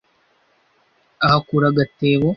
Ahakura agatebo